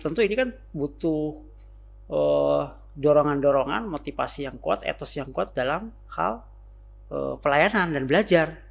tentu ini kan butuh dorongan dorongan motivasi yang kuat etos yang kuat dalam hal pelayanan dan belajar